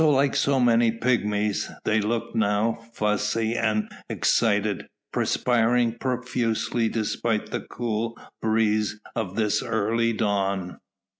Like so many pygmies they looked now, fussy and excited, perspiring profusely despite the cool breeze of this early dawn.